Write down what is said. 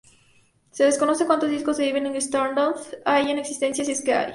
Se desconoce cuantos discos de "Evening Standard", hay en existencia, si es que hay.